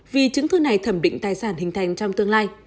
vì chứng thư này thẩm định tài sản hình thành trong tương lai